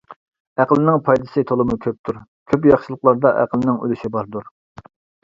-ئەقىلنىڭ پايدىسى تولىمۇ كۆپتۇر، كۆپ ياخشىلىقلاردا ئەقىلنىڭ ئۈلۈشى باردۇر.